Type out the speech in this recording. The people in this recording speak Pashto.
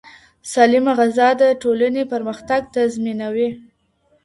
سالمه غذا د ټولنې پرمختګ تضمینوي.